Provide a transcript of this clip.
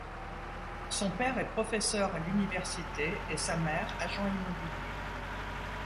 Son père est professeur à l'université et sa mère agent immobilier.